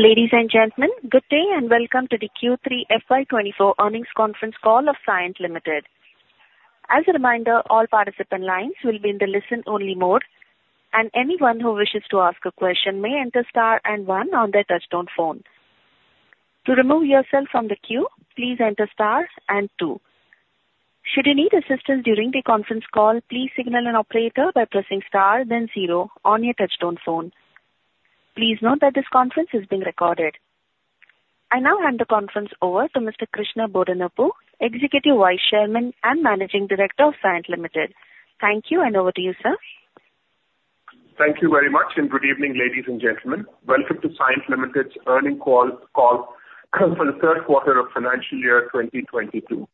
Ladies and gentlemen, good day, and welcome to the Q3 FY 2024 earnings conference call of Cyient Limited. As a reminder, all participant lines will be in the listen-only mode, and anyone who wishes to ask a question may enter star and one on their touchtone phone. To remove yourself from the queue, please enter star and two. Should you need assistance during the conference call, please signal an operator by pressing star, then zero on your touchtone phone. Please note that this conference is being recorded. I now hand the conference over to Mr. Krishna Bodanapu, Executive Vice Chairman and Managing Director of Cyient Limited. Thank you, and over to you, sir. Thank you very much, and good evening, ladies and gentlemen. Welcome to Cyient Limited's earnings call for the third quarter of financial year 2022.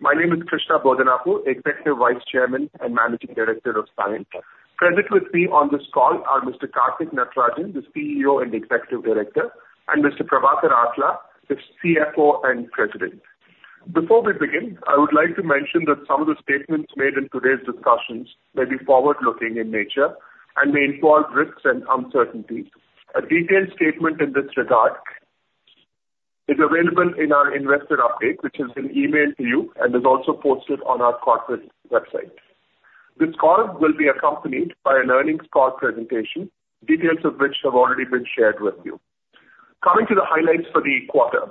My name is Krishna Bodanapu, Executive Vice Chairman and Managing Director of Cyient. Present with me on this call are Mr. Karthik Natarajan, the CEO and Executive Director, and Mr. Prabhakar Atla, the CFO and President. Before we begin, I would like to mention that some of the statements made in today's discussions may be forward-looking in nature and may involve risks and uncertainties. A detailed statement in this regard is available in our investor update, which has been emailed to you and is also posted on our corporate website. This call will be accompanied by an earnings call presentation, details of which have already been shared with you. Coming to the highlights for the quarter.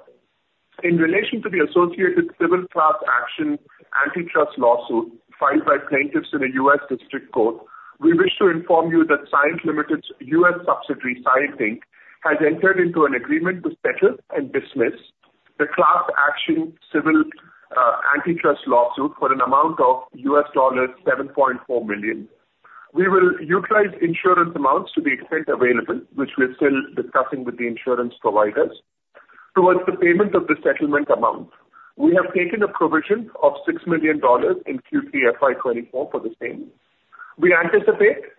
In relation to the associated civil class action antitrust lawsuit filed by plaintiffs in a U.S. District Court, we wish to inform you that Cyient Limited's U.S. subsidiary, Cyient Inc., has entered into an agreement to settle and dismiss the class action civil antitrust lawsuit for an amount of $7.4 million. We will utilize insurance amounts to the extent available, which we are still discussing with the insurance providers, towards the payment of the settlement amount. We have taken a provision of $6 million in Q3 FY 2024 for the same. We anticipate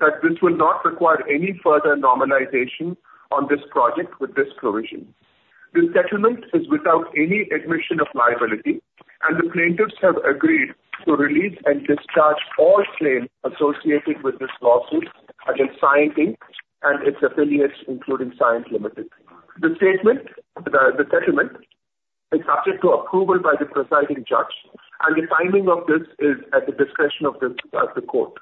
that this will not require any further normalization on this project with this provision. This settlement is without any admission of liability, and the plaintiffs have agreed to release and discharge all claims associated with this lawsuit against Cyient Inc. and its affiliates, including Cyient Limited. The statement, the settlement is subject to approval by the presiding judge, and the timing of this is at the discretion of the, the court.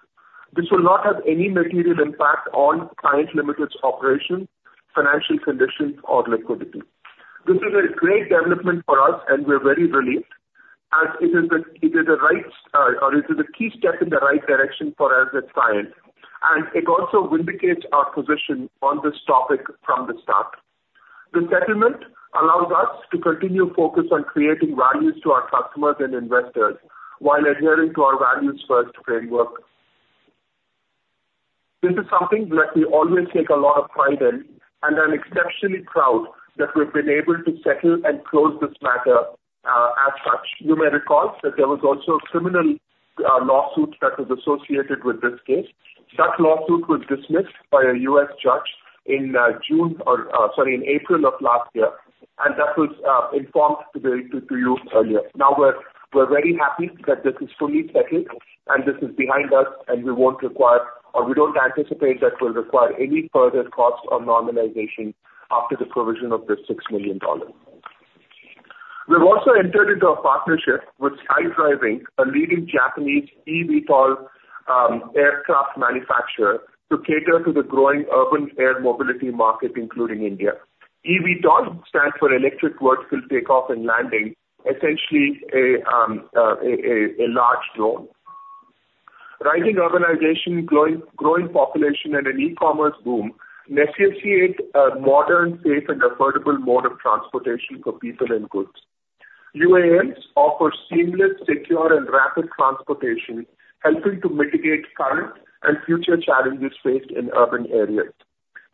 This will not have any material impact on Cyient Limited's operations, financial conditions or liquidity. This is a great development for us, and we're very relieved, as it is the, it is the right, or it is a key step in the right direction for us at Cyient, and it also vindicates our position on this topic from the start. The settlement allows us to continue focus on creating values to our customers and investors while adhering to our Values First framework. This is something that we always take a lot of pride in and are exceptionally proud that we've been able to settle and close this matter, as such. You may recall that there was also a criminal lawsuit that was associated with this case. That lawsuit was dismissed by a U.S. judge in June or sorry in April of last year, and that was informed to you earlier. Now, we're very happy that this is fully settled and this is behind us, and we won't require, or we don't anticipate that we'll require any further cost or normalization after the provision of this $6 million. We've also entered into a partnership with SkyDrive, a leading Japanese eVTOL aircraft manufacturer, to cater to the growing urban air mobility market, including India. eVTOL stands for electric vertical takeoff and landing, essentially a large drone. Rising urbanization, growing population, and an e-commerce boom necessitate a modern, safe, and affordable mode of transportation for people and goods. UAMs offer seamless, secure, and rapid transportation, helping to mitigate current and future challenges faced in urban areas.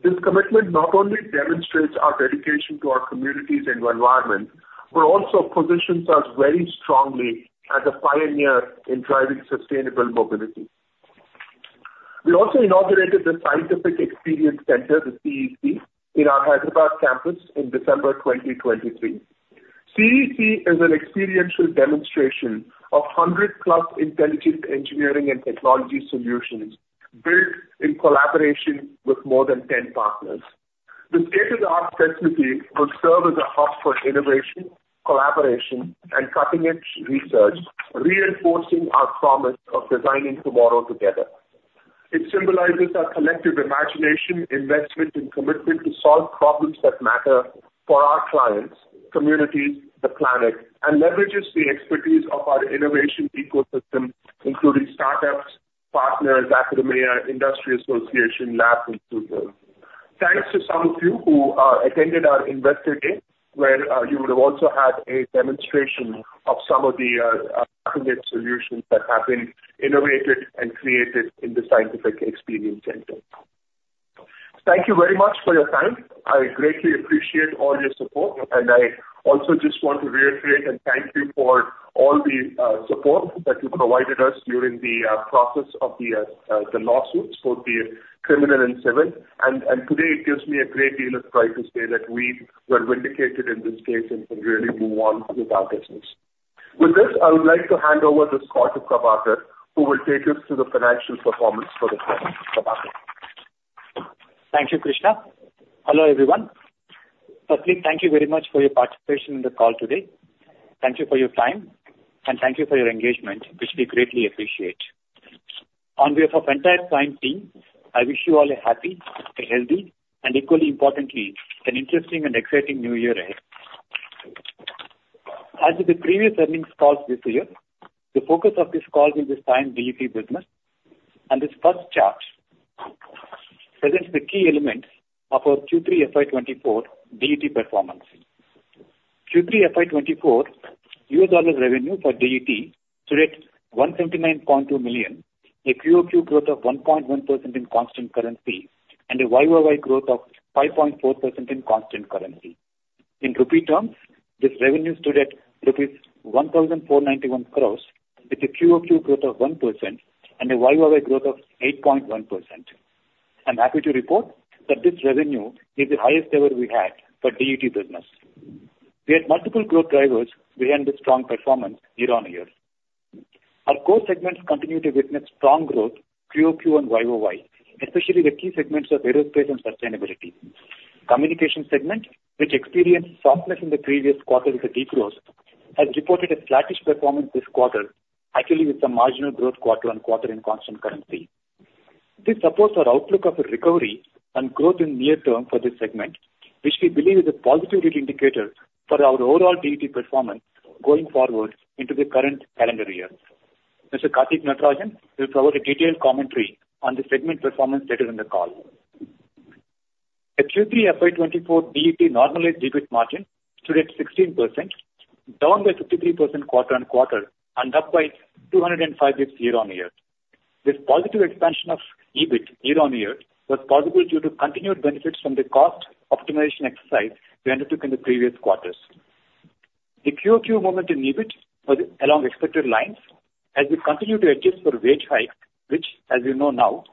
This commitment not only demonstrates our dedication to our communities and environment, but also positions us very strongly as a pioneer in driving sustainable mobility. We also inaugurated the CyientifIQ Experience Center, the CEC, in our Hyderabad campus in December 2023. CEC is an experiential demonstration of 100-plus intelligent engineering and technology solutions built in collaboration with more than 10 partners. The state-of-the-art facility will serve as a hub for innovation, collaboration, and cutting-edge research, reinforcing our promise of Designing Tomorrow Together. It symbolizes our collective imagination, investment, and commitment to solve problems that matter for our clients, communities, the planet, and leverages the expertise of our innovation ecosystem, including startups, partners, academia, industry association, labs, and tutors. Thanks to some of you who attended our investor day, where you would have also had a demonstration of some of the solutions that have been innovated and created in the CyientifIQ Experience Center. Thank you very much for your time. I greatly appreciate all your support, and I also just want to reiterate and thank you for all the support that you provided us during the process of the lawsuits, both the criminal and civil. And today, it gives me a great deal of pride to say that we were vindicated in this case and can really move on with our business. ...With this, I would like to hand over this call to Prabhakar, who will take us through the financial performance for the quarter. Prabhakar? Thank you, Krishna. Hello, everyone. Firstly, thank you very much for your participation in the call today. Thank you for your time, and thank you for your engagement, which we greatly appreciate. On behalf of entire Cyient team, I wish you all a happy, a healthy, and equally importantly, an interesting and exciting new year ahead. As with the previous earnings calls this year, the focus of this call is the Cyient DET business, and this first chart presents the key elements of our Q3 FY 2024 DET performance. Q3 FY 2024 U.S. dollar revenue for DET stood at $179.2 million, a QOQ growth of 1.1% in constant currency, and a YOY growth of 5.4% in constant currency. In rupee terms, this revenue stood at rupees 1,491 crores, with a QOQ growth of 1% and a YOY growth of 8.1%. I'm happy to report that this revenue is the highest ever we had for DET business. We had multiple growth drivers behind this strong performance year-on-year. Our core segments continue to witness strong growth QOQ and YOY, especially the key segments of aerospace and sustainability. Communication segment, which experienced softness in the previous quarter with a deep growth, has reported a flattish performance this quarter, actually with some marginal growth quarter on quarter in constant currency. This supports our outlook of a recovery and growth in near term for this segment, which we believe is a positive indicator for our overall DET performance going forward into the current calendar year. Mr. Karthik Natarajan will provide a detailed commentary on the segment performance later in the call. The Q3 FY 2024 DET normalized EBIT margin stood at 16%, down by 53% quarter-on-quarter, and up by 205 bps year-on-year. This positive expansion of EBIT year-on-year was possible due to continued benefits from the cost optimization exercise we undertook in the previous quarters. The QOQ movement in EBIT was along expected lines as we continue to adjust for wage hike, which, as you know now,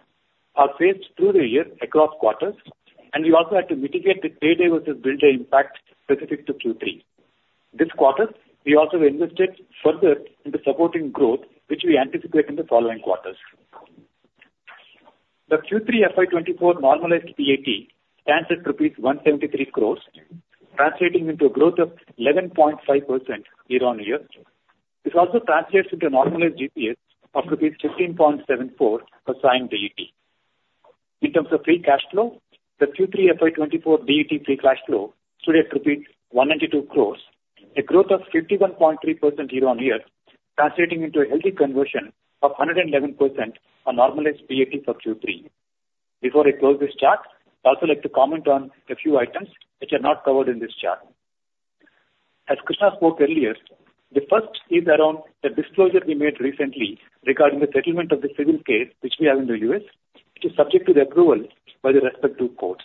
are phased through the year across quarters, and we also had to mitigate the pay day versus bill day impact specific to Q3. This quarter, we also invested further into supporting growth, which we anticipate in the following quarters. The Q3 FY 2024 normalized PAT stands at INR 173 crores, translating into a growth of 11.5% year-on-year, which also translates into a normalized EPS of rupees 15.74 for Cyient DET. In terms of free cash flow, the Q3 FY 2024 DET free cash flow stood at 192 crores, a growth of 51.3% year-on-year, translating into a healthy conversion of 111% on normalized PAT for Q3. Before I close this chart, I'd also like to comment on a few items which are not covered in this chart. As Krishna spoke earlier, the first is around the disclosure we made recently regarding the settlement of the civil case, which we have in the US, which is subject to the approval by the respective courts.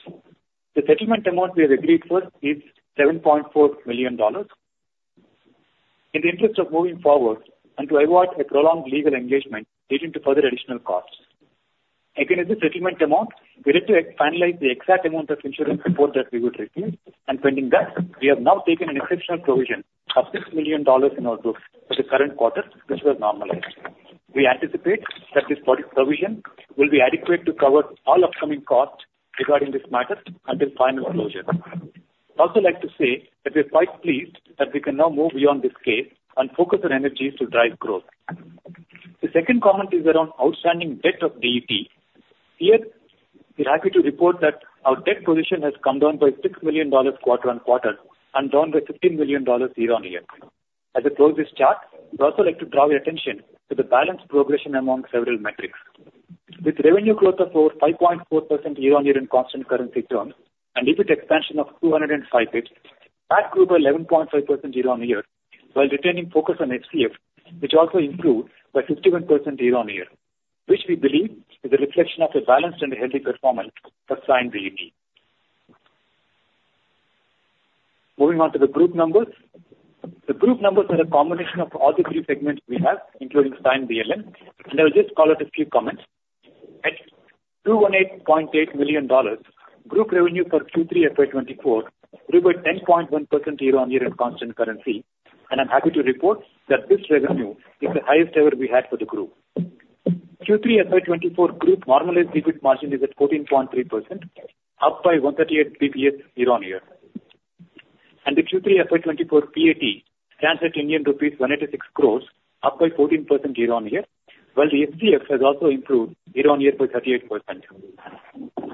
The settlement amount we have agreed for is $7.4 million. In the interest of moving forward and to avoid a prolonged legal engagement leading to further additional costs. Again, in this settlement amount, we need to finalize the exact amount of insurance report that we would receive, and pending that, we have now taken an exceptional provision of $6 million in our books for the current quarter, which was normalized. We anticipate that this provision will be adequate to cover all upcoming costs regarding this matter until final closure. I'd also like to say that we're quite pleased that we can now move beyond this case and focus our energies to drive growth. The second comment is around outstanding debt of DET. Here, we're happy to report that our debt position has come down by $6 million quarter-on-quarter and down by $15 million year-on-year. As I close this chart, I'd also like to draw your attention to the balanced progression among several metrics. With revenue growth of over 5.4% year-on-year in constant currency terms, and EBIT expansion of 205 basis points, that grew by 11.5% year-on-year, while retaining focus on FCF, which also improved by 51% year-on-year, which we believe is a reflection of a balanced and healthy performance for Cyient DET. Moving on to the group numbers. The group numbers are a combination of all the three segments we have, including Cyient DLM, and I'll just call out a few comments. At $218.8 million, group revenue for Q3 FY 2024 grew by 10.1% year-on-year in constant currency, and I'm happy to report that this revenue is the highest ever we had for the group. Q3 FY 2024 group normalized EBIT margin is at 14.3%, up by 138 basis points year-on-year. The Q3 FY 2024 PAT stands at Indian rupees 186 crores, up by 14% year-on-year, while the FCF has also improved year-on-year by 38%.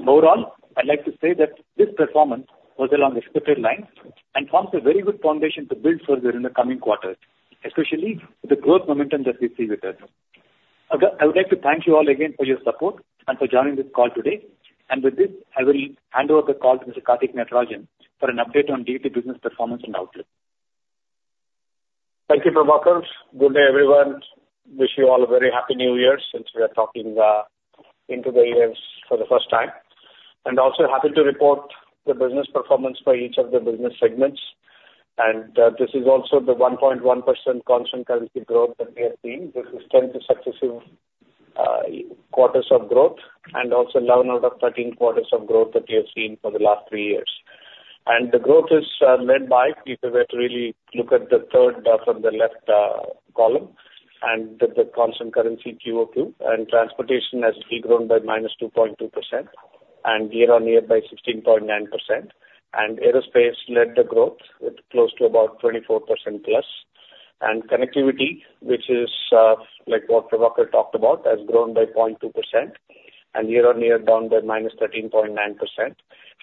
Overall, I'd like to say that this performance was along expected lines and forms a very good foundation to build further in the coming quarters, especially the growth momentum that we see with us. I would like to thank you all again for your support and for joining this call today. With this, I will hand over the call to Mr. Karthik Natarajan for an update on DET business performance and outlook. Thank you, Prabhakar. Good day, everyone. I wish you all a very happy new year since we are talking into the years for the first time. We are also happy to report the business performance for each of the business segments. This is also the 1.1% constant currency growth that we have seen. This is 10 successive quarters of growth and also 9 out of 13 quarters of growth that we have seen for the last three years.... The growth is led by, if you were to really look at the third from the left column, and the constant currency QOQ, and transportation has de-grown by -2.2%, and year-on-year by 16.9%, and aerospace led the growth with close to about 24% plus. Connectivity, which is, like what Prabhakar talked about, has grown by 0.2%, and year-on-year down by -13.9%.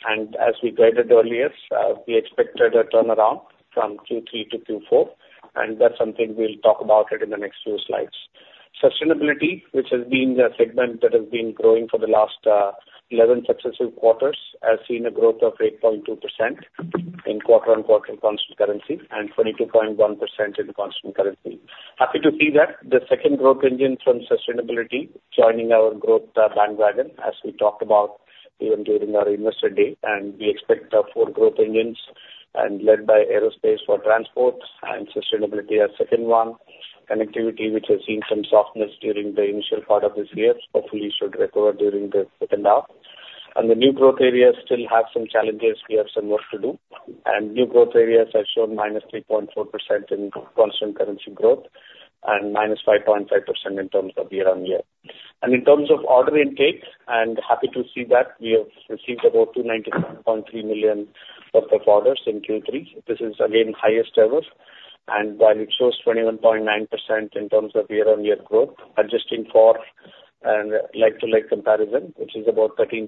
As we guided earlier, we expected a turnaround from Q3 to Q4, and that's something we'll talk about it in the next few slides. Sustainability, which has been the segment that has been growing for the last 11 successive quarters, has seen a growth of 8.2% in quarter-on-quarter constant currency, and 22.1% in constant currency. Happy to see that the second growth engine from sustainability joining our growth bandwagon, as we talked about even during our investor day, and we expect 4 growth engines, and led by aerospace for transports and sustainability as second one. Connectivity, which has seen some softness during the initial part of this year, hopefully should recover during the second half. The new growth areas still have some challenges. We have some work to do. New growth areas have shown -3.4% in constant currency growth and -5.5% in terms of year-on-year. In terms of order intake, happy to see that we have received about $297.3 million worth of orders in Q3. This is again, highest ever, and while it shows 21.9% in terms of year-on-year growth, adjusting for and like-to-like comparison, which is about 13%,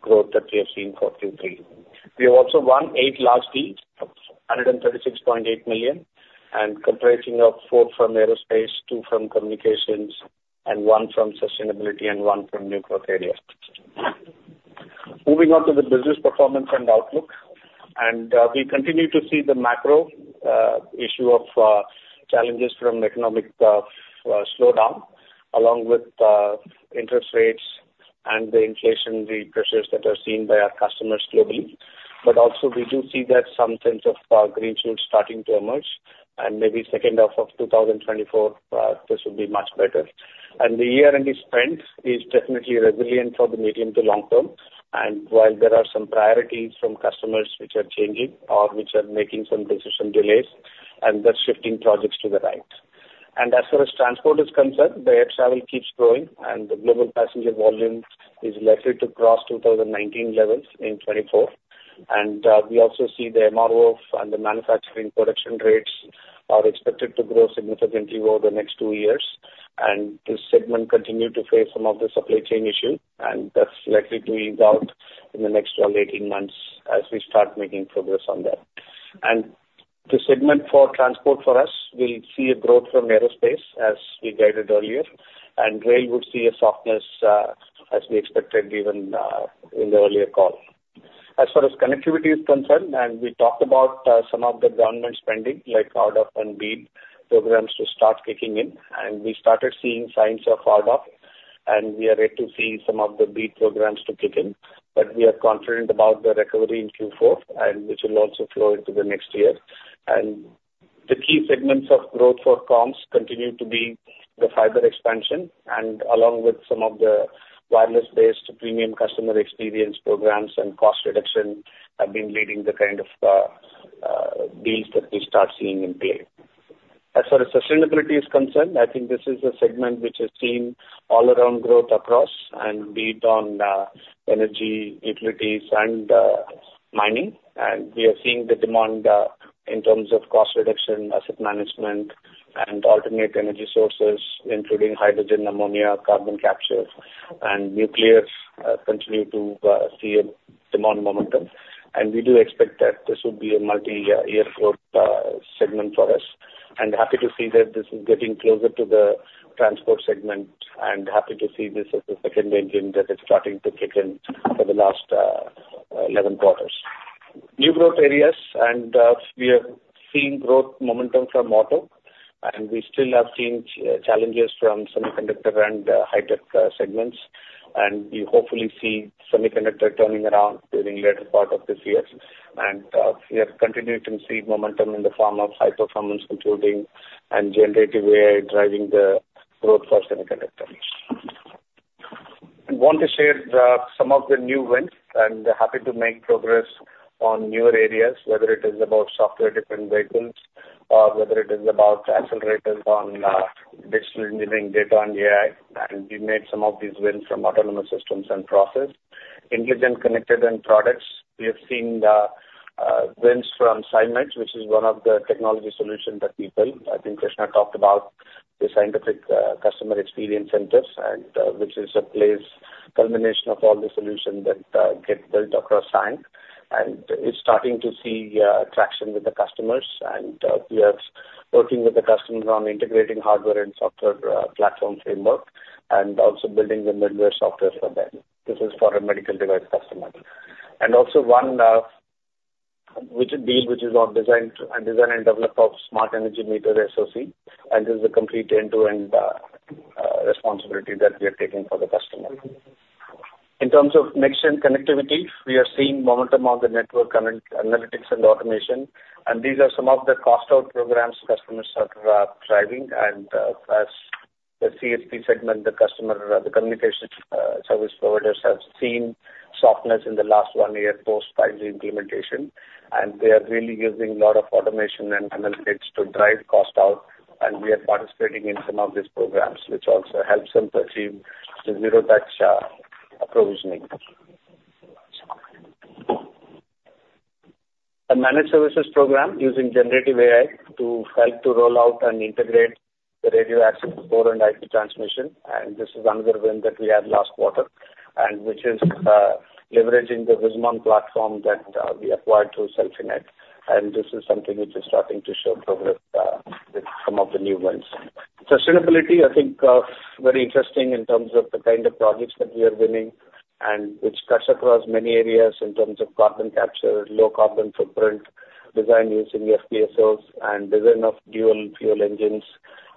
growth that we have seen for Q3. We have also won 8 large deals of $136.8 million, comprising 4 from aerospace, 2 from communications, 1 from sustainability, and 1 from new growth areas. Moving on to the business performance and outlook, we continue to see the macro issue of challenges from economic slowdown, along with interest rates and the inflationary pressures that are seen by our customers globally. But also we do see that some sense of green shoots starting to emerge, and maybe second half of 2024 this will be much better. The year-end spend is definitely resilient for the medium to long term, while there are some priorities from customers which are changing or which are making some decision delays, thus shifting projects to the right. And as far as transport is concerned, the air travel keeps growing and the global passenger volume is likely to cross 2019 levels in 2024. And we also see the MRO and the manufacturing production rates are expected to grow significantly over the next 2 years. And this segment continued to face some of the supply chain issue, and that's likely to evolve in the next 12, 18 months as we start making progress on that. And the segment for transport for us, we'll see a growth from aerospace as we guided earlier, and rail would see a softness, as we expected, even in the earlier call. As far as connectivity is concerned, and we talked about some of the government spending, like RDOF and BEAD programs to start kicking in, and we started seeing signs of RDOF, and we are yet to see some of the BEAD programs to kick in. But we are confident about the recovery in Q4, and which will also flow into the next year. The key segments of growth for comms continue to be the fiber expansion, and along with some of the wireless-based premium customer experience programs and cost reduction, have been leading the kind of deals that we start seeing in play. As far as sustainability is concerned, I think this is a segment which has seen all around growth across, and be it on energy, utilities and mining. And we are seeing the demand in terms of cost reduction, asset management, and alternative energy sources, including hydrogen, ammonia, carbon capture and nuclear, continue to see a demand momentum. And we do expect that this would be a multi-year growth segment for us. And happy to see that this is getting closer to the transport segment, and happy to see this as a second engine that is starting to kick in for the last 11 quarters. New growth areas, and we are seeing growth momentum from auto, and we still have seen challenges from semiconductor and high-tech segments. And we hopefully see semiconductor turning around during latter part of this year. And we are continuing to see momentum in the form of high-performance computing and Generative AI driving the growth for semiconductors. I want to share some of the new wins, and happy to make progress on newer areas, whether it is about software-defined vehicles, or whether it is about accelerators on digital engineering data and AI. And we made some of these wins from autonomous systems and process. Intelligent, Connected Products. We have seen the wins from CyMed, which is one of the technology solutions that we built. I think Krishna talked about the CyientifIQ customer experience centers and which is a place culmination of all the solutions that get built across Cyient. And it's starting to see traction with the customers. And we are working with the customers on integrating hardware and software platform framework, and also building the middleware software for them. This is for a medical device customer. And also one, which is BEAD, which is one designed to and design and develop of smart energy meter SoC, and this is a complete end-to-end responsibility that we are taking for the customer. In terms of next-gen connectivity, we are seeing momentum on the network analytics and automation, and these are some of the cost out programs customers are driving. The CSP segment, the customer, the communication service providers have seen softness in the last one year post 5G implementation, and they are really using a lot of automation and analytics to drive cost out, and we are participating in some of these programs, which also helps them achieve the zero touch provisioning. A managed services program using generative AI to help to roll out and integrate the radio access core and IP transmission, and this is another win that we had last quarter, and which is, leveraging the VISMON platform that, we acquired through Celfinet, and this is something which is starting to show progress, with some of the new ones. Sustainability, I think, very interesting in terms of the kind of projects that we are winning, and which cuts across many areas in terms of carbon capture, low carbon footprint, design using FPSOs, and design of dual fuel engines,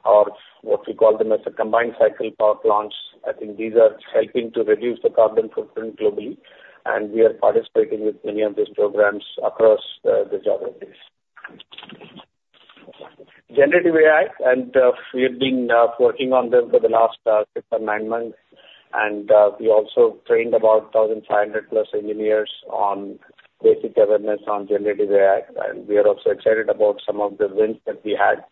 or what we call them as a combined cycle power plants. I think these are helping to reduce the carbon footprint globally, and we are participating with many of these programs across, the geographies. Generative AI, and we have been working on them for the last 6 or 9 months, and we also trained about 1,500+ engineers on basic awareness on generative AI. And we are also excited about some of the wins that we had,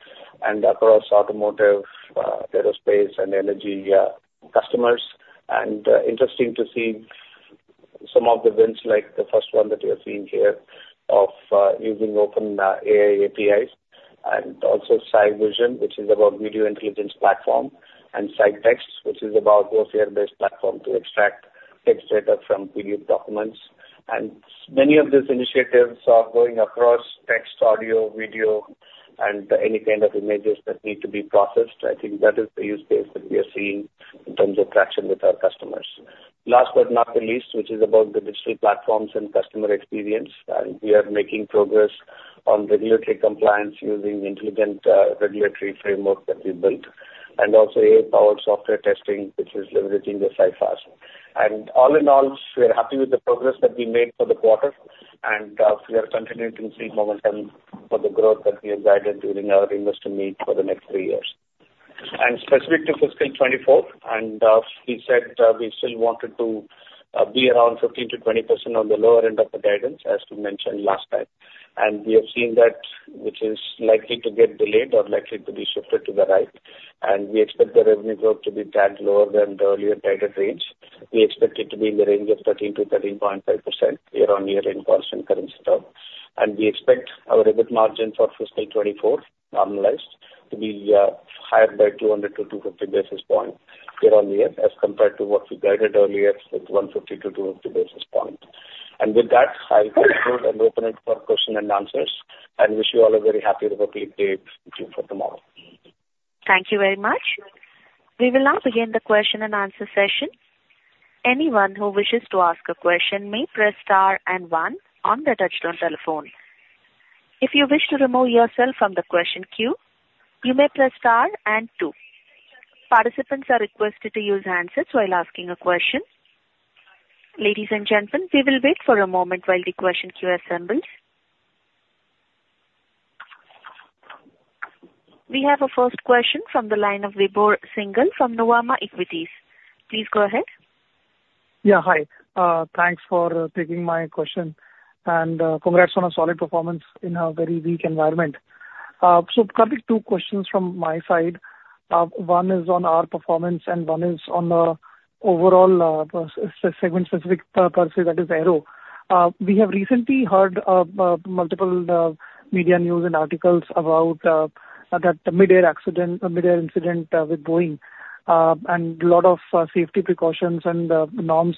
and across automotive, aerospace and energy customers. And interesting to see some of the wins, like the first one that we have seen here of using OpenAI APIs, and also CyVision, which is about video intelligence platform, and CyText, which is about OCR-based platform to extract text data from PDF documents. And many of these initiatives are going across text, audio, video, and any kind of images that need to be processed. I think that is the use case that we are seeing in terms of traction with our customers. Last but not the least, which is about the digital platforms and customer experience, and we are making progress on regulatory compliance using intelligent, regulatory framework that we built, and also AI-powered software testing, which is leveraging the CyFAST. And all in all, we are happy with the progress that we made for the quarter, and, we are continuing to see momentum for the growth that we have guided during our investor meet for the next three years. And specific to fiscal 2024, and, we said, we still wanted to, be around 15%-20% on the lower end of the guidance, as we mentioned last time. And we have seen that, which is likely to get delayed or likely to be shifted to the right, and we expect the revenue growth to be tad lower than the earlier guided range. We expect it to be in the range of 13%-13.5% year-on-year in constant currency term. And we expect our EBIT margin for fiscal 2024, normalized, to be higher by 200-250 basis points year-on-year, as compared to what we guided earlier with 150-250 basis points. And with that, I'll close and open it for question and answers, and wish you all a very happy Republic Day for tomorrow. Thank you very much. We will now begin the question and answer session. Anyone who wishes to ask a question may press star and one on the touchtone telephone. If you wish to remove yourself from the question queue, you may press star and two. Participants are requested to use answers while asking a question. Ladies and gentlemen, we will wait for a moment while the question queue assembles. We have a first question from the line of Vibhor Singhal from Nuvama Equities. Please go ahead. Yeah, hi. Thanks for taking my question, and congrats on a solid performance in a very weak environment. So Karthik, two questions from my side. One is on our performance, and one is on the overall segment specific per se, that is, aero. We have recently heard multiple media news and articles about that mid-air accident, a mid-air incident with Boeing. And a lot of safety precautions and norms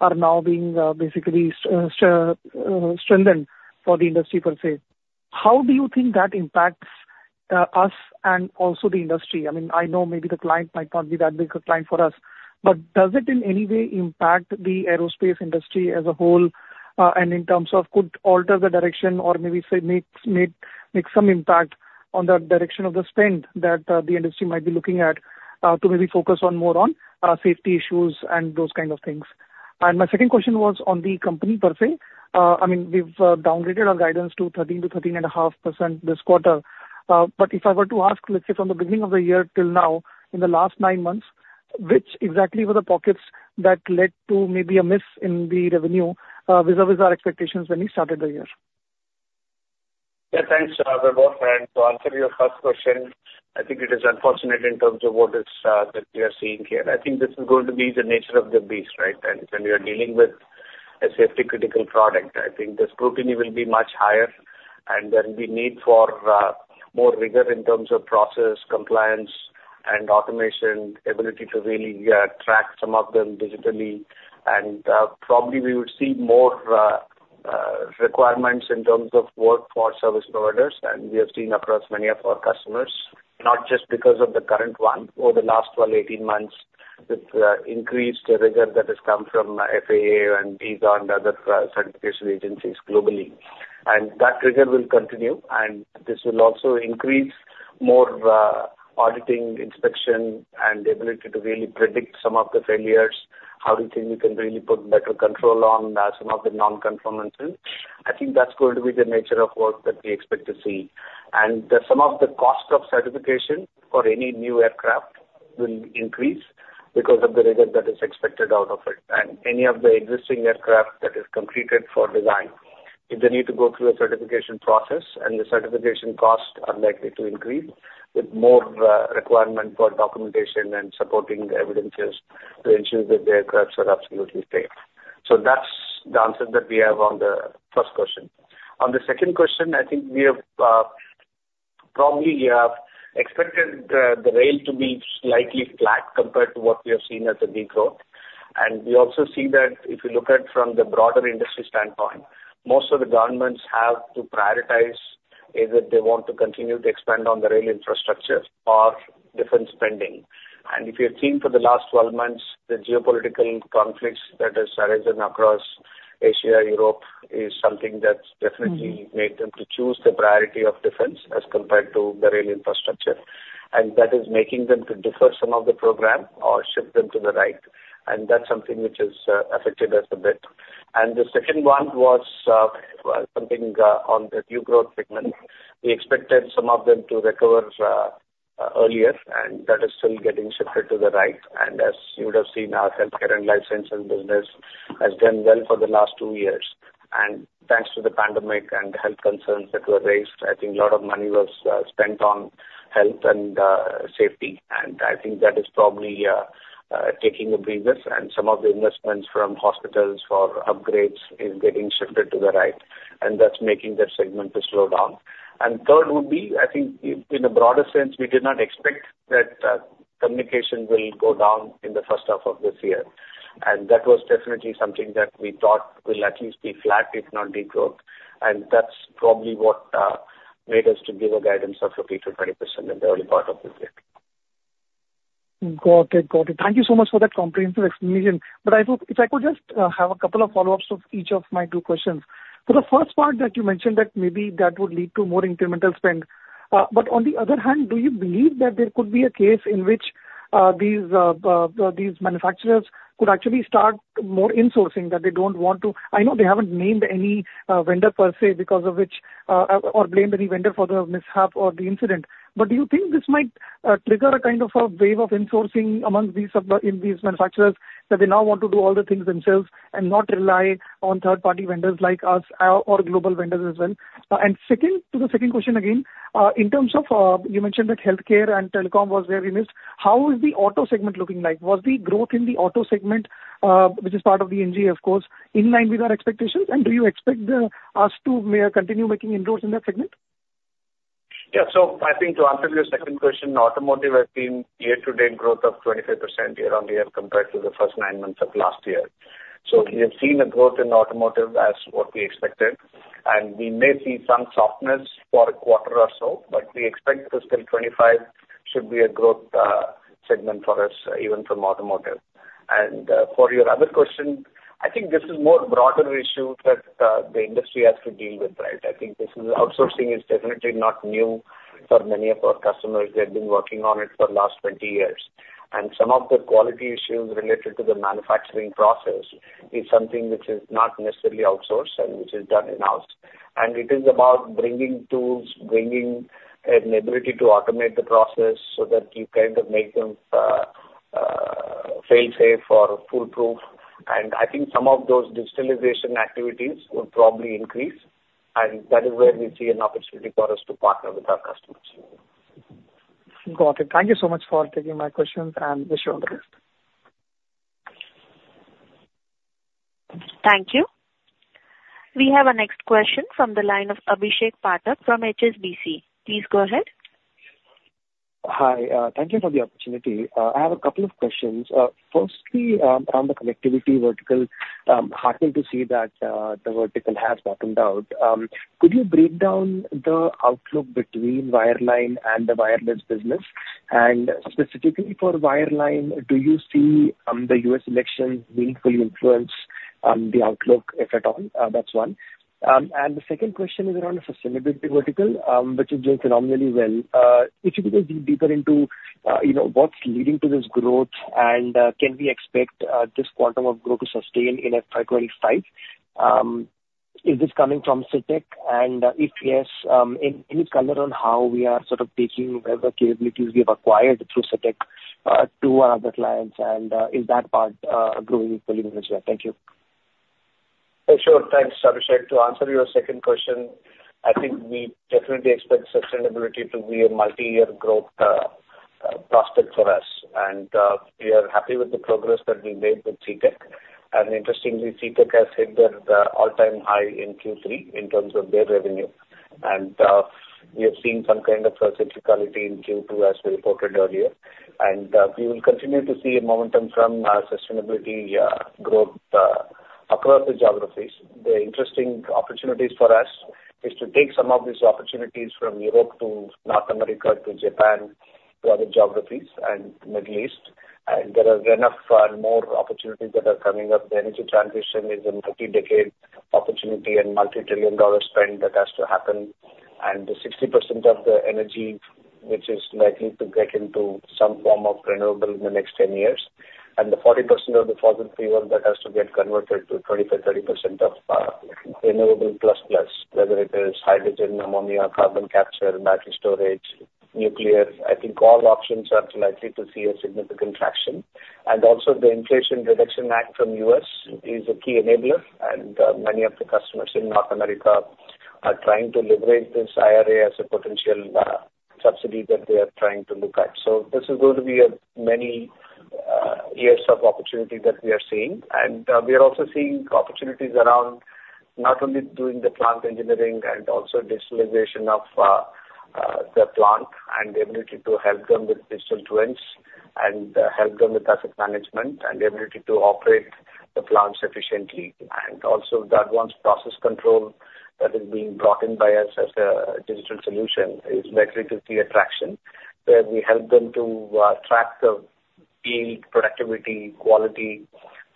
are now being basically strengthened for the industry per se. How do you think that impacts us and also the industry? I mean, I know maybe the client might not be that big a client for us, but does it in any way impact the aerospace industry as a whole? And in terms of could alter the direction or maybe say, make some impact on the direction of the spend that, the industry might be looking at, to maybe focus on more on, safety issues and those kind of things. And my second question was on the company per se. I mean, we've downgraded our guidance to 13%-13.5% this quarter. But if I were to ask, let's say from the beginning of the year till now, in the last nine months, which exactly were the pockets that led to maybe a miss in the revenue, vis-a-vis our expectations when we started the year? Yeah, thanks, Vibhor. To answer your first question, I think it is unfortunate in terms of what is, that we are seeing here. I think this is going to be the nature of the beast, right? And when we are dealing with a safety-critical product, I think the scrutiny will be much higher, and there will be need for more rigor in terms of process, compliance, and automation, ability to really track some of them digitally. And probably we would see more requirements in terms of work for service providers, and we have seen across many of our customers, not just because of the current one. Over the last 12-18 months, with increased rigor that has come from FAA and EASA and other certification agencies globally. That rigor will continue, and this will also increase more, auditing, inspection, and the ability to really predict some of the failures. How do you think you can really put better control on some of the non-conformances? I think that's going to be the nature of work that we expect to see. Some of the cost of certification for any new aircraft will increase because of the rigor that is expected out of it. And any of the existing aircraft that is completed for design, if they need to go through a certification process and the certification costs are likely to increase, with more requirement for documentation and supporting evidences to ensure that the aircrafts are absolutely safe. So that's the answer that we have on the first question. On the second question, I think we have probably expected the rail to be slightly flat compared to what we have seen as a deep growth. We also see that if you look at from the broader industry standpoint, most of the governments have to prioritize whether they want to continue to expand on the rail infrastructure or defense spending. If you've seen for the last 12 months, the geopolitical conflicts that has arisen across Asia, Europe, is something that's definitely made them to choose the priority of defense as compared to the rail infrastructure. That is making them to defer some of the program or shift them to the right. That's something which has affected us a bit. The second one was something on the new growth segment. We expected some of them to recover earlier, and that is still getting shifted to the right. And as you would have seen, our healthcare and life sciences business has done well for the last two years. And thanks to the pandemic and health concerns that were raised, I think a lot of money was spent on health and safety, and I think that is probably taking a breather. And some of the investments from hospitals for upgrades is getting shifted to the right, and that's making that segment to slow down. And third would be, I think, in a broader sense, we did not expect that communication will go down in the first half of this year. And that was definitely something that we thought will at least be flat, if not decrease. That's probably what made us to give a guidance of 15%-20% in the early part of this year. Got it. Got it. Thank you so much for that comprehensive explanation. But I hope, if I could just have a couple of follow-ups of each of my two questions. For the first part that you mentioned, that maybe that would lead to more incremental spend. But on the other hand, do you believe that there could be a case in which these manufacturers could actually start more insourcing, that they don't want to... I know they haven't named any vendor per se, because of which, or blamed any vendor for the mishap or the incident. But do you think this might trigger a kind of a wave of insourcing amongst these sub- in these manufacturers, that they now want to do all the things themselves and not rely on third-party vendors like us, or global vendors as well? And second, to the second question again, in terms of, you mentioned that healthcare and telecom was where we missed. How is the auto segment looking like? Was the growth in the auto segment, which is part of the NG, of course, in line with our expectations, and do you expect us to continue making inroads in that segment? Yeah. So I think to answer your second question, automotive has seen year-to-date growth of 25% year-on-year, compared to the first 9 months of last year. So we have seen a growth in automotive as what we expected, and we may see some softness for a quarter or so, but we expect this till 2025 should be a growth segment for us even from automotive. And for your other question, I think this is more broader issue that the industry has to deal with, right? I think this is, outsourcing is definitely not new for many of our customers. They've been working on it for the last 20 years. And some of the quality issues related to the manufacturing process is something which is not necessarily outsourced and which is done in-house. It is about bringing tools, bringing an ability to automate the process so that you kind of make them fail-safe or foolproof. I think some of those digitalization activities would probably increase, and that is where we see an opportunity for us to partner with our customers. Got it. Thank you so much for taking my questions. Wish you all the best. Thank you. We have our next question from the line of Abhishek Pathak from HSBC. Please go ahead. Hi, thank you for the opportunity. I have a couple of questions. Firstly, on the connectivity vertical, heartened to see that the vertical has bottomed out. Could you break down the outlook between wireline and the wireless business? And specifically for wireline, do you see the U.S. elections meaningfully influence the outlook, if at all? That's one. And the second question is around the sustainability vertical, which is doing phenomenally well. If you could dig deeper into, you know, what's leading to this growth, and can we expect this quantum of growth to sustain in FY 25? Is this coming from Citec? And, if yes, any, any color on how we are sort of taking whatever capabilities we have acquired through Citec, to our other clients, and, is that part, growing equally well? Thank you. Sure. Thanks, Abhishek. To answer your second question, I think we definitely expect sustainability to be a multi-year growth prospect for us. We are happy with the progress that we made with Citec. Interestingly, Citec has hit their all-time high in Q3 in terms of their revenue. We have seen some kind of a cyclicality in Q2, as we reported earlier. We will continue to see a momentum from our sustainability growth across the geographies. The interesting opportunities for us is to take some of these opportunities from Europe to North America to Japan, to other geographies, and Middle East. There are enough more opportunities that are coming up. The energy transition is a multi-decade-... opportunity and multi-trillion-dollar spend that has to happen, and the 60% of the energy which is likely to get into some form of renewable in the next 10 years, and the 40% of the fossil fuel that has to get converted to 25%-30% of renewable plus plus, whether it is hydrogen, ammonia, carbon capture, battery storage, nuclear, I think all options are likely to see a significant traction. And also the Inflation Reduction Act from U.S. is a key enabler, and many of the customers in North America are trying to leverage this IRA as a potential subsidy that they are trying to look at. So this is going to be many years of opportunity that we are seeing. We are also seeing opportunities around not only doing the plant engineering and also digitalization of the plant and the ability to help them with digital twins, and help them with asset management and the ability to operate the plants efficiently. The advanced process control that is being brought in by us as a digital solution is likely to see a traction, where we help them to track the yield, productivity, quality,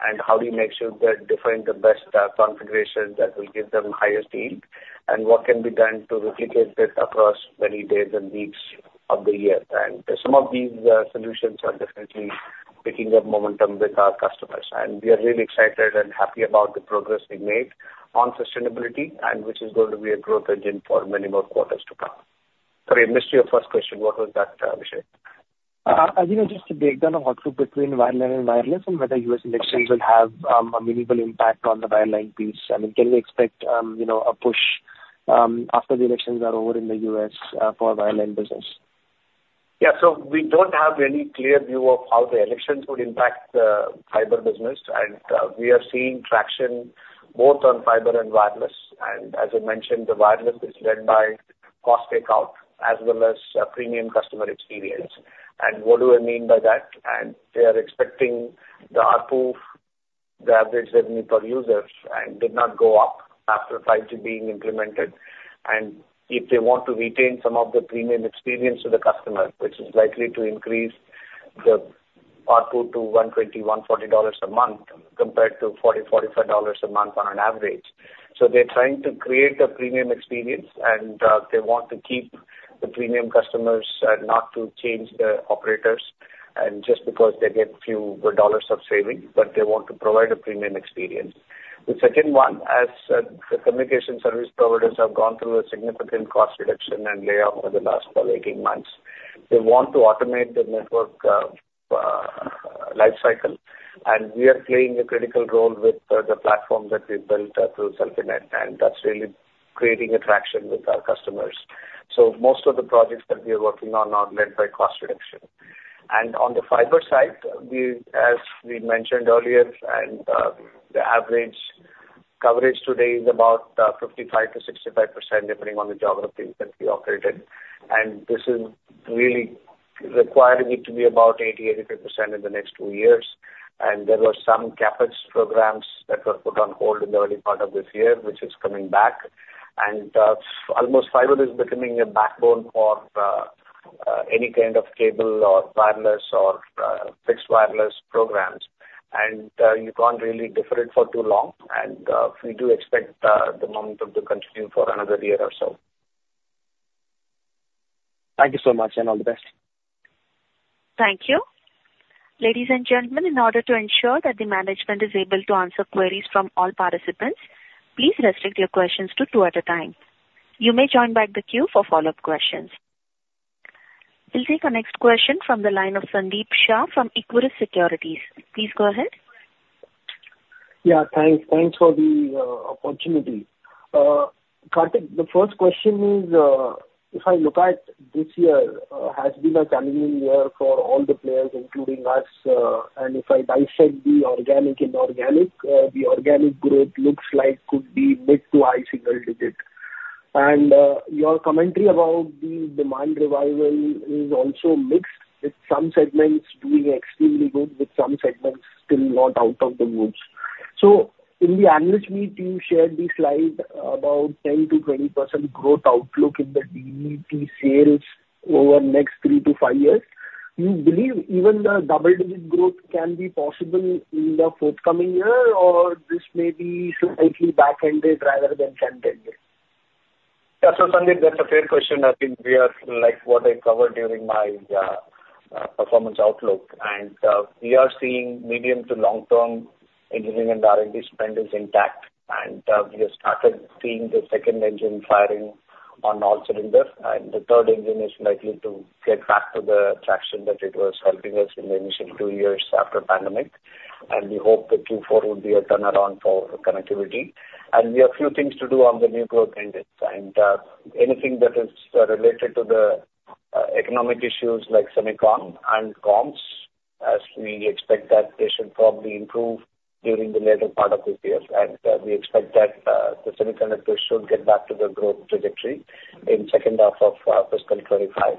and how do we make sure they're defining the best configuration that will give them highest yield, and what can be done to replicate this across many days and weeks of the year. Some of these solutions are definitely picking up momentum with our customers, and we are really excited and happy about the progress we made on sustainability and which is going to be a growth engine for many more quarters to come. Sorry, I missed your first question. What was that, Abhishek? You know, just a breakdown of what's between wireline and wireless, and whether U.S. elections will have a minimal impact on the wireline piece. I mean, can we expect, you know, a push after the elections are over in the U.S. for wireline business? Yeah. So we don't have any clear view of how the elections would impact the fiber business. And, we are seeing traction both on fiber and wireless. And as I mentioned, the wireless is led by cost takeout as well as a premium customer experience. And what do I mean by that? And they are expecting the ARPU, the average revenue per users, and did not go up after 5G being implemented. And if they want to retain some of the premium experience to the customer, which is likely to increase the ARPU to $120-$140 a month, compared to $40-$45 a month on an average. So they're trying to create a premium experience, and they want to keep the premium customers, not to change the operators, and just because they get few dollars of saving, but they want to provide a premium experience. The second one, as the communication service providers have gone through a significant cost reduction and layoff over the last 18 months, they want to automate the network life cycle, and we are playing a critical role with the platform that we built through Celfinet, and that's really creating a traction with our customers. So most of the projects that we are working on are led by cost reduction. And on the fiber side, we—as we mentioned earlier, and the average coverage today is about 55%-65%, depending on the geographies that we operate in. And this is really requiring it to be about 80%-85% in the next two years. And there were some CapEx programs that were put on hold in the early part of this year, which is coming back. And, almost fiber is becoming a backbone for, any kind of cable or wireless or, fixed wireless programs. And, you can't really defer it for too long, and, we do expect, the momentum to continue for another year or so. Thank you so much, and all the best. Thank you. Ladies and gentlemen, in order to ensure that the management is able to answer queries from all participants, please restrict your questions to two at a time. You may join back the queue for follow-up questions. We'll take our next question from the line of Sandeep Shah from Equirus Securities. Please go ahead. Yeah, thanks. Thanks for the opportunity. Karthik, the first question is, if I look at this year, has been a challenging year for all the players, including us, and if I dissect the organic and inorganic, the organic growth looks like could be mid- to high-single-digit. Your commentary about the demand revival is also mixed, with some segments doing extremely good, with some segments still not out of the woods. So in the analyst meeting, you shared the slide about 10%-20% growth outlook in the DET sales over the next 3-5 years. Do you believe even the double-digit growth can be possible in the forthcoming year, or this may be slightly back-ended rather than front-ended? Yeah. So, Sandeep, that's a fair question. I think we are like what I covered during my performance outlook. And we are seeing medium to long-term engineering and R&D spend is intact, and we have started seeing the second engine firing on all cylinders, and the third engine is likely to get back to the traction that it was helping us in the initial two years after pandemic. And we hope that Q4 will be a turnaround for connectivity. And we have a few things to do on the new growth engines. And anything that is related to the economic issues like semiconductor and comms, as we expect that they should probably improve during the latter part of this year. And we expect that the semiconductor should get back to the growth trajectory in second half of fiscal 2025.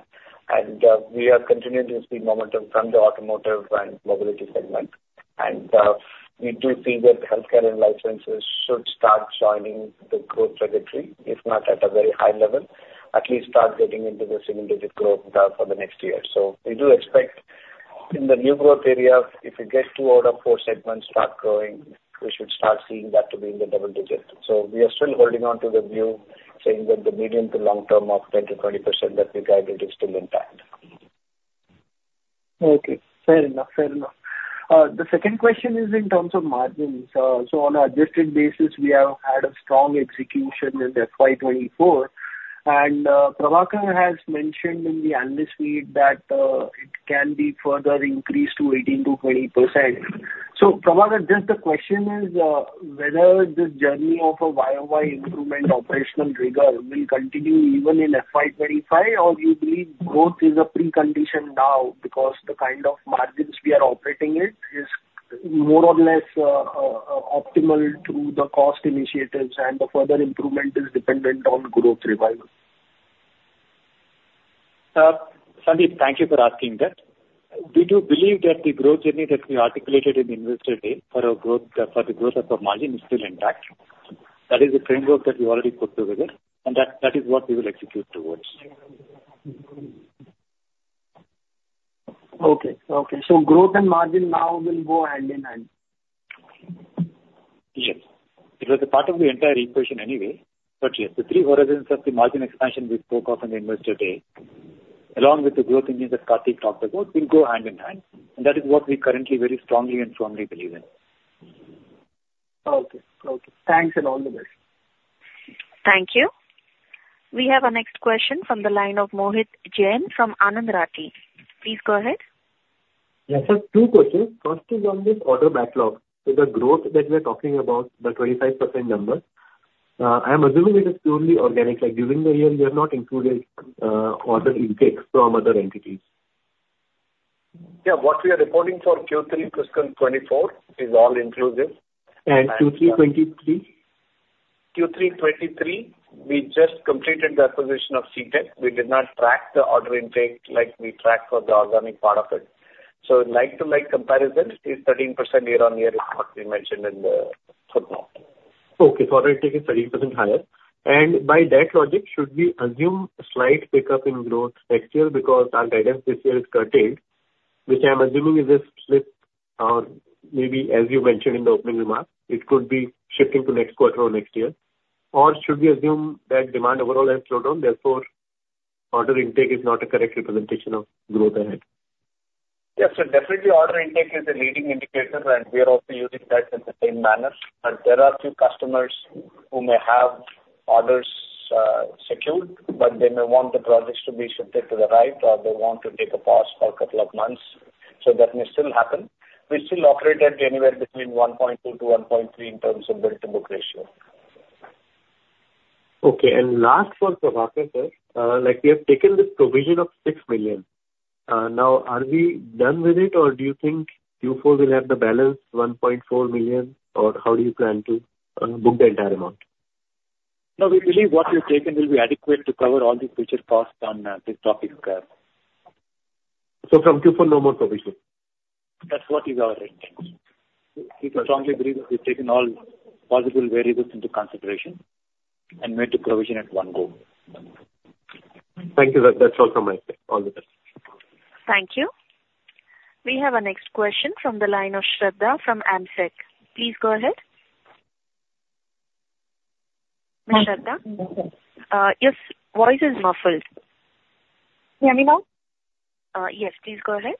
We are continuing to see momentum from the automotive and mobility segment. We do see that healthcare and licenses should start joining the growth trajectory, if not at a very high level, at least start getting into the single digit growth, for the next year. So we do expect in the new growth area, if you get two out of four segments start growing, we should start seeing that to be in the double digits. So we are still holding on to the view, saying that the medium to long term of 10%-20% that we guided is still intact. Okay, fair enough. Fair enough. The second question is in terms of margins. So on an adjusted basis, we have had a strong execution in FY 2024, and Prabhakar has mentioned in the analyst meet that it can be further increased to 18%-20%. So Prabhakar, just the question is whether this journey of a Y-o-Y improvement operational trigger will continue even in FY 2025, or you believe growth is a precondition now, because the kind of margins we are operating in is more or less optimal through the cost initiatives, and the further improvement is dependent on growth revival? Sandeep, thank you for asking that. We do believe that the growth journey that we articulated in the Investor Day for our growth, for the growth of the margin is still intact. That is the framework that we already put together, and that is what we will execute towards. Okay. Okay. So growth and margin now will go hand in hand? Yes. It was a part of the entire equation anyway, but yes, the three horizons of the margin expansion we spoke of in the Investor Day, along with the growth engine that Karthik talked about, will go hand in hand, and that is what we currently very strongly and firmly believe in. Okay. Okay, thanks, and all the best. Thank you. We have our next question from the line of Mohit Jain from Anand Rathi. Please go ahead. Yes, sir, two questions. First is on this order backlog. So the growth that we're talking about, the 25% number, I'm assuming it is purely organic. Like, during the year, you have not included, order intakes from other entities. Yeah. What we are reporting for Q3 fiscal 2024 is all inclusive. Q3 2023? Q3 2023, we just completed the acquisition of Citec. We did not track the order intake like we tracked for the organic part of it. So like-for-like comparison is 13% year-on-year is what we mentioned. Okay, order intake is 30% higher. By that logic, should we assume a slight pickup in growth next year because our guidance this year is curtailed, which I'm assuming is a slip, or maybe as you mentioned in the opening remarks, it could be shifting to next quarter or next year. Or should we assume that demand overall has slowed down, therefore, order intake is not a correct representation of growth ahead? Yes, so definitely order intake is a leading indicator, and we are also using that in the same manner. There are a few customers who may have orders secured, but they may want the projects to be shifted to the right, or they want to take a pause for a couple of months, so that may still happen. We still operate at anywhere between 1.2-1.3 in terms of built-to-book ratio. Okay, and last for Prabhakar, sir. Like, we have taken this provision of 6 million. Now, are we done with it, or do you think Q4 will have the balance 1.4 million, or how do you plan to book the entire amount? No, we believe what we've taken will be adequate to cover all the future costs on this topic. From Q4, no more provision? That's what is our intent. We strongly believe that we've taken all possible variables into consideration and made the provision at one go. Thank you. That, that's all from my side. All the best. Thank you. We have our next question from the line of Shraddha from AMSEC. Please go ahead. Miss Shraddha, your voice is muffled. Can you hear me now? Yes. Please go ahead.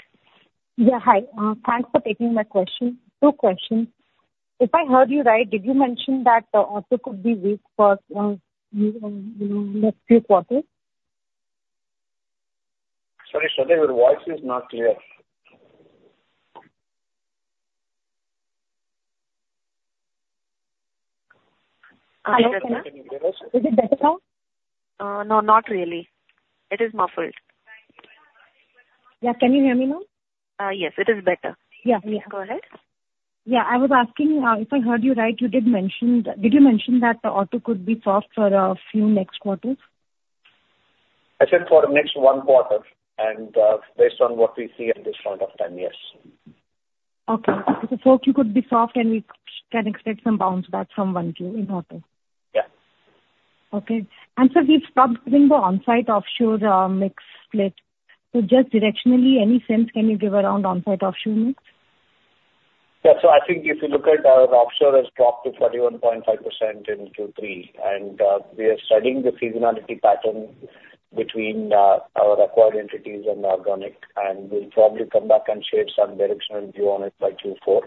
Yeah, hi. Thanks for taking my question. Two questions. If I heard you right, did you mention that auto could be weak for next few quarters? Sorry, Shraddha, your voice is not clear. Hello, is it better now? No, not really. It is muffled. Yeah, can you hear me now? Yes. It is better. Yeah. Go ahead. Yeah, I was asking, if I heard you right, you did mention... Did you mention that the auto could be soft for a few next quarters? I said for the next one quarter, and, based on what we see at this point of time, yes. Okay. So Q4 could be soft, and we can expect some bounce back from 1Q in auto. Yeah. Okay. We've stopped giving the onsite-offshore mix split. Just directionally, any sense can you give around onsite-offshore mix? Yeah. So I think if you look at our offshore has dropped to 41.5% in Q3, and, we are studying the seasonality pattern between, our acquired entities and organic, and we'll probably come back and share some directional view on it by Q4.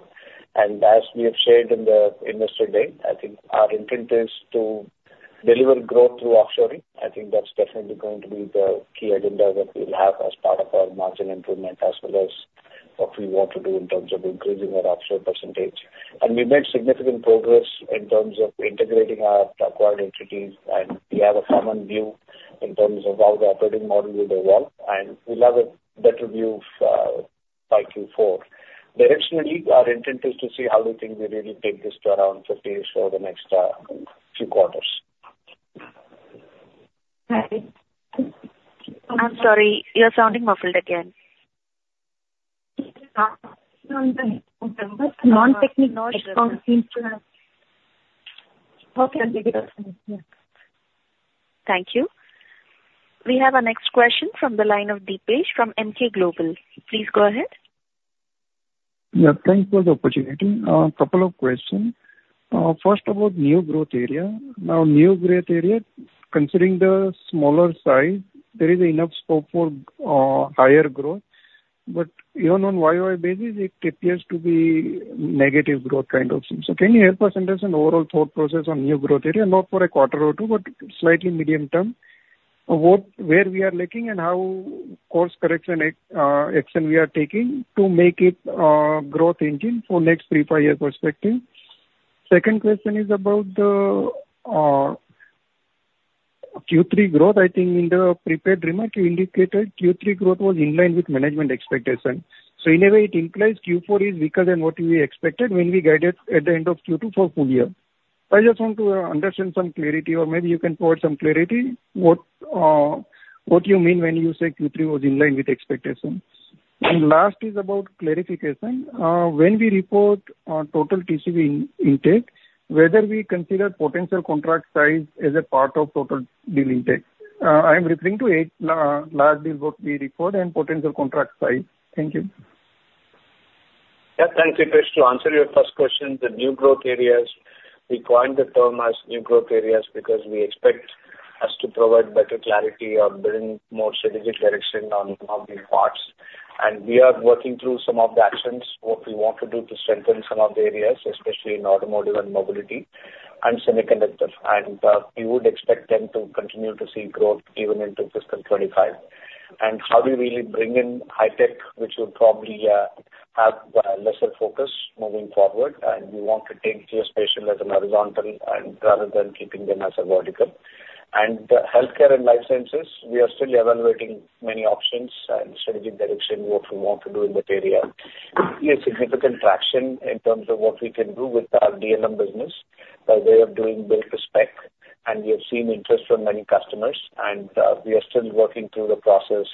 And as we have shared in the Investor Day, I think our intent is to deliver growth through offshoring. I think that's definitely going to be the key agenda that we'll have as part of our margin improvement, as well as what we want to do in terms of increasing our offshore percentage. And we've made significant progress in terms of integrating our acquired entities, and we have a common view in terms of how the operating model will evolve, and we'll have a better view of, by Q4. Directionally, our intent is to see how we think we really take this to around 50 or so the next few quarters. Hi. I'm sorry, you're sounding muffled again. Non-technical accounts seem to have-... Okay, thank you. Yeah. Thank you. We have our next question from the line of Dipesh Mehta from Emkay Global Financial Services. Please go ahead. Yeah, thanks for the opportunity. Couple of questions. First about new growth area. Now, new growth area, considering the smaller size, there is enough scope for higher growth. But even on YY basis, it appears to be negative growth kind of thing. So can you help us understand the overall thought process on new growth area? Not for a quarter or two, but slightly medium term. What, where we are lacking and how course correction action we are taking to make it growth engine for next three, five year perspective. Second question is about the Q3 growth. I think in the prepared remarks, you indicated Q3 growth was in line with management expectations. So in a way, it implies Q4 is weaker than what we expected when we guided at the end of Q2 for full year. I just want to understand some clarity, or maybe you can provide some clarity, what, what you mean when you say Q3 was in line with expectations? And last is about clarification. When we report total TCV intake, whether we consider potential contract size as a part of total deal intake. I'm referring to it, large deal what we report and potential contract size. Thank you. Yeah. Thank you, Deepesh. To answer your first question, the new growth areas, we coined the term as new growth areas because we expect us to provide better clarity on building more strategic direction on, on the parts. And we are working through some of the actions, what we want to do to strengthen some of the areas, especially in automotive and mobility and semiconductors. And we would expect them to continue to see growth even into fiscal 2025. And how do we bring in high tech, which would probably have lesser focus moving forward, and we want to take geospatial as an horizontal and rather than keeping them as a vertical. And healthcare and life sciences, we are still evaluating many options and strategic direction, what we want to do in that area. We see a significant traction in terms of what we can do with our DLM business, by way of doing build to spec, and we have seen interest from many customers, and we are still working through the process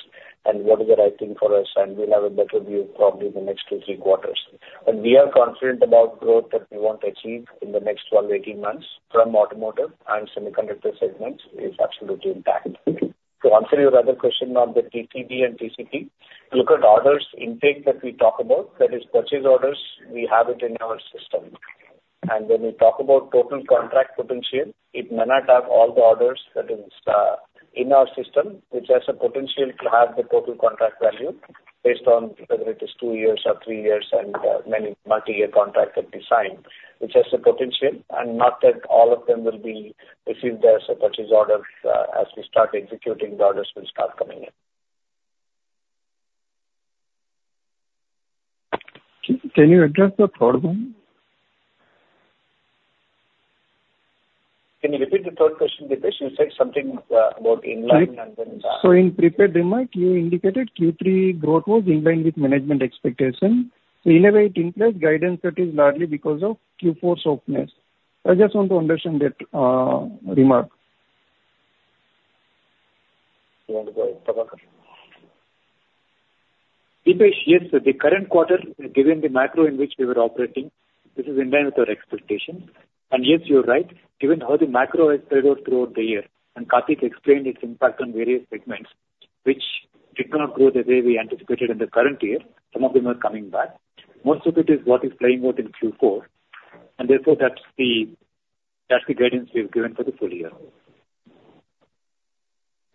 and what is the right thing for us, and we'll have a better view probably in the next 2-3 quarters. But we are confident about growth that we want to achieve in the next 12-18 months from automotive and semiconductor segments is absolutely intact. To answer your other question on the TCV and TCP, look at orders intake that we talk about, that is purchase orders, we have it in our system. When we talk about total contract potential, it may not have all the orders that is in our system, which has the potential to have the total contract value based on whether it is two years or three years, and many multi-year contracts have been signed, which has the potential and not that all of them will be received as a purchase order. As we start executing, the orders will start coming in. Can you address the third one? Can you repeat the third question, Deepesh? You said something about in line and then, In prepared remark, you indicated Q3 growth was in line with management expectation. In a way, it implies guidance that is largely because of Q4 softness. I just want to understand that remark. You want to go, Prabhakar? Deepesh, yes, the current quarter, given the macro in which we were operating, this is in line with our expectations. And yes, you're right. Given how the macro has played out throughout the year, and Karthik explained its impact on various segments, which did not grow the way we anticipated in the current year, some of them are coming back. Most of it is what is playing out in Q4, and therefore, that's the, that's the guidance we've given for the full year.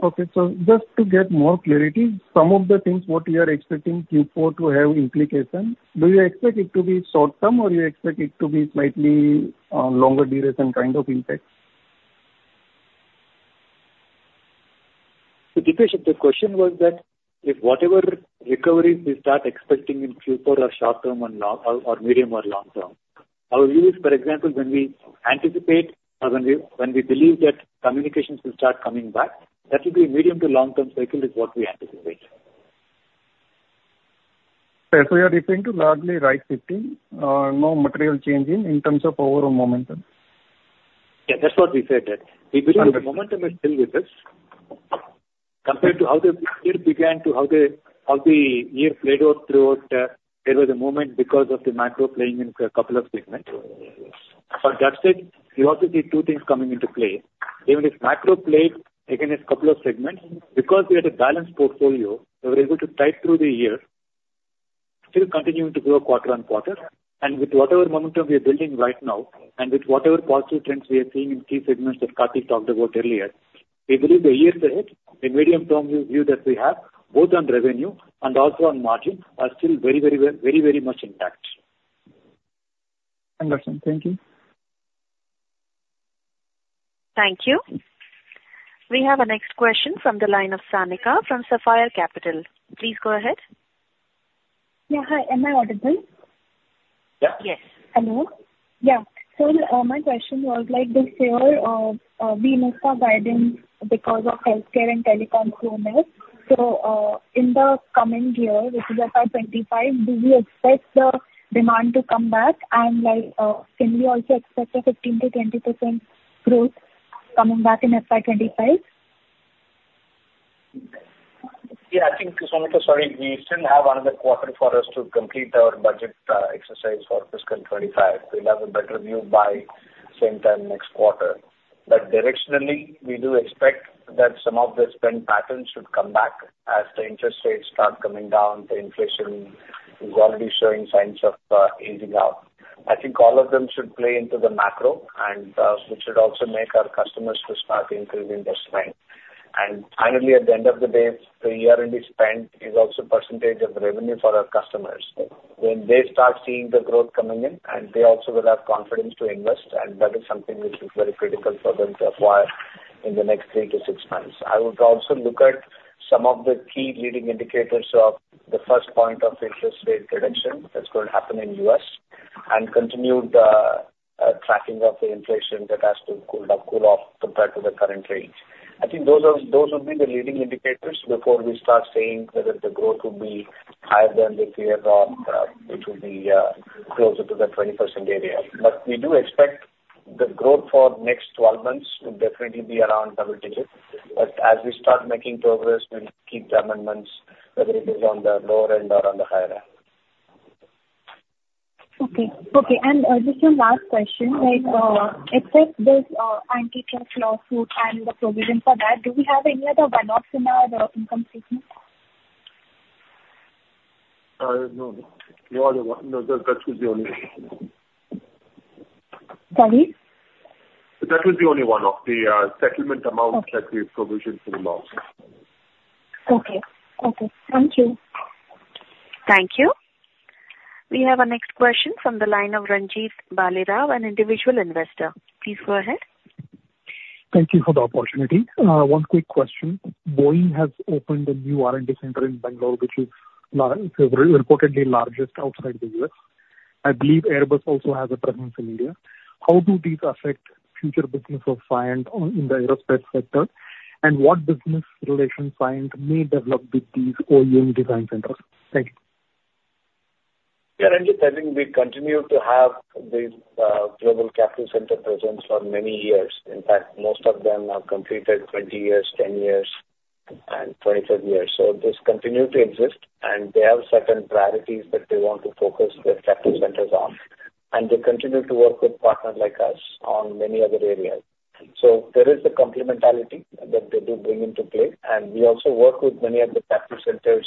Okay. So just to get more clarity, some of the things what you are expecting Q4 to have implication, do you expect it to be short term, or you expect it to be slightly, longer duration kind of impact? So, Deepesh, the question was that if whatever recoveries we start expecting in Q4 are short term and long, or, or medium or long term. Our view is, for example, when we anticipate or when we, when we believe that communications will start coming back, that will be a medium to long term cycle is what we anticipate. So you are referring to largely FY25, no material change in terms of overall momentum? Yeah, that's what we said that we believe the momentum is still with us. Compared to how the year began to how the year played out throughout, there was a moment because of the macro playing in a couple of segments. But that said, you also see two things coming into play. Even if macro played against a couple of segments, because we had a balanced portfolio, we were able to tide through the year, still continuing to grow quarter on quarter. And with whatever momentum we are building right now, and with whatever positive trends we are seeing in key segments that Karthik talked about earlier, we believe the years ahead, the medium-term view that we have, both on revenue and also on margin, are still very, very well, very, very much intact. Understood. Thank you. Thank you. We have our next question from the line of Sanika from Sapphire Capital. Please go ahead. Yeah, hi, am I audible? Yeah. Yes. Hello? Yeah. So, my question was like this year, we missed our guidance because of healthcare and telecom softness. So, in the coming year, which is FY 25, do we expect the demand to come back? And like, can we also expect a 15%-20% growth coming back in FY 25?... Yeah, I think, Sanika, sorry, we still have another quarter for us to complete our budget exercise for fiscal 25. We'll have a better view by same time next quarter. But directionally, we do expect that some of the spend patterns should come back as the interest rates start coming down. The inflation is already showing signs of easing out. I think all of them should play into the macro and which should also make our customers to start increasing their spend. And finally, at the end of the day, the R&D spend is also percentage of the revenue for our customers. When they start seeing the growth coming in, and they also will have confidence to invest, and that is something which is very critical for them to acquire in the next three to six months. I would also look at some of the key leading indicators of the first point of interest rate reduction that's going to happen in the U.S., and continue the tracking of the inflation that has to cool off compared to the current rate. I think those are, those would be the leading indicators before we start saying whether the growth will be higher than this year or it will be closer to the 20% area. But we do expect the growth for next 12 months will definitely be around double digits. But as we start making progress, we'll keep the amendments, whether it is on the lower end or on the higher end. Okay. Okay, and just one last question. Like, except this antitrust lawsuit and the provision for that, do we have any other one-offs in our income statement? No. No other one. No, that is the only one. Sorry? That would be only one of the settlement amounts- Okay. that we've provisioned for the loss. Okay. Okay. Thank you. Thank you. We have our next question from the line of Ranjeet Bhalerao, an individual investor. Please go ahead. Thank you for the opportunity. One quick question. Boeing has opened a new R&D center in Bengaluru, which is reportedly largest outside the U.S. I believe Airbus also has a presence in India. How do these affect future business of Cyient in the aerospace sector? And what business relations Cyient may develop with these OEM design centers? Thank you. Yeah, Ranjeet, I think we continue to have these, Global Captive Center presence for many years. In fact, most of them have completed 20 years, 10 years, and 25 years. So this continue to exist, and they have certain priorities that they want to focus their captive centers on. And they continue to work with partners like us on many other areas. So there is a complementarity that they do bring into play, and we also work with many of the captive centers,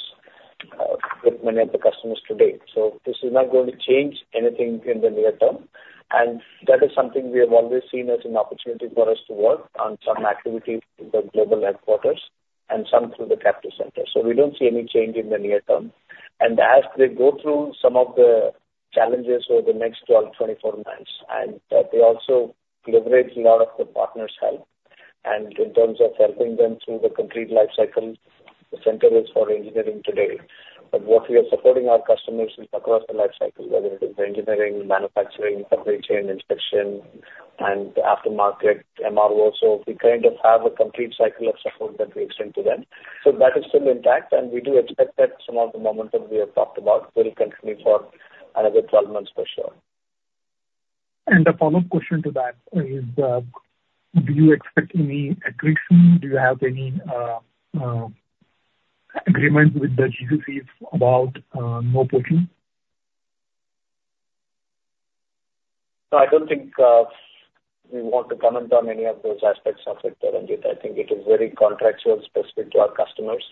with many of the customers today. So this is not going to change anything in the near term, and that is something we have always seen as an opportunity for us to work on some activities with the global headquarters and some through the captive center. So we don't see any change in the near term. As they go through some of the challenges over the next 12, 24 months, and they also leverage a lot of the partners' help. And in terms of helping them through the complete lifecycle, the center is for engineering today. But what we are supporting our customers is across the lifecycle, whether it is engineering, manufacturing, supply chain, inspection, and aftermarket MRO. So we kind of have a complete cycle of support that we extend to them. So that is still intact, and we do expect that some of the momentum we have talked about will continue for another 12 months for sure. A follow-up question to that is, do you expect any accretion? Do you have any agreement with the GDCs about more potent? No, I don't think we want to comment on any of those aspects of it, Ranjeet. I think it is very contractual and specific to our customers,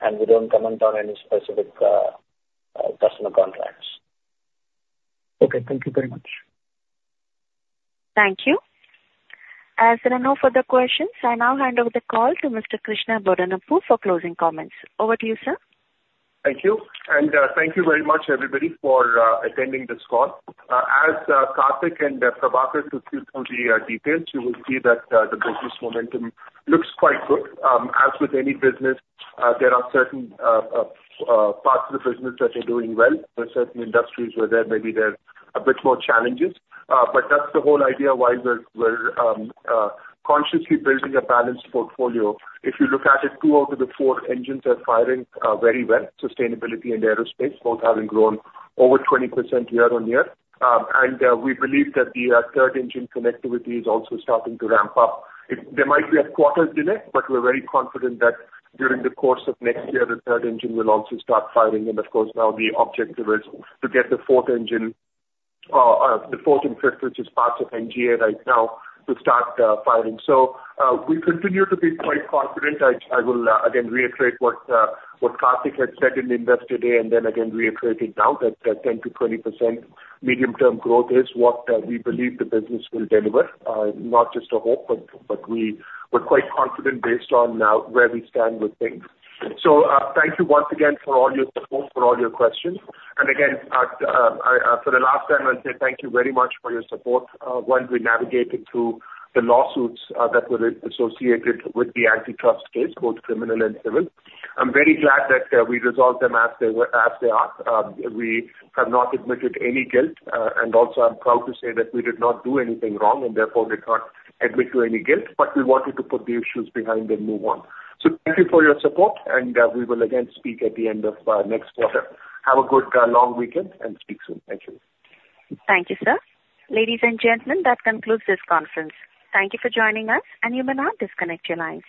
and we don't comment on any specific customer contracts. Okay, thank you very much. Thank you. As there are no further questions, I now hand over the call to Mr. Krishna Bodanapu for closing comments. Over to you, sir. Thank you. Thank you very much, everybody, for attending this call. As Karthik and Prabhakar took you through the details, you will see that the business momentum looks quite good. As with any business, there are certain parts of the business that are doing well. There are certain industries where there maybe there are a bit more challenges, but that's the whole idea why we're, we're, consciously building a balanced portfolio. If you look at it, two out of the four engines are firing very well, sustainability and aerospace, both having grown over 20% year-on-year. And we believe that the third engine connectivity is also starting to ramp up. There might be a quarter delay, but we're very confident that during the course of next year, the third engine will also start firing. Of course, now the objective is to get the fourth engine, the fourth interest, which is parts of NGA right now, to start firing. So, we continue to be quite confident. I will again reiterate what Karthik had said in the Investor Day, and then again reiterate it now, that 10%-20% medium-term growth is what we believe the business will deliver. Not just a hope, but we're quite confident based on where we stand with things. So, thank you once again for all your support, for all your questions. Again, for the last time, I'll say thank you very much for your support while we navigated through the lawsuits that were associated with the antitrust case, both criminal and civil. I'm very glad that we resolved them as they were, as they are. We have not admitted any guilt, and also I'm proud to say that we did not do anything wrong, and therefore did not admit to any guilt, but we wanted to put the issues behind and move on. So thank you for your support, and we will again speak at the end of next quarter. Have a good long weekend and speak soon. Thank you. Thank you, sir. Ladies and gentlemen, that concludes this conference. Thank you for joining us, and you may now disconnect your lines.